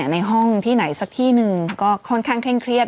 ในห้องที่ไหนสักที่หนึ่งก็ค่อนข้างเคร่งเครียด